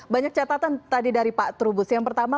banyak catatan tadi dari pak trubus yang pertama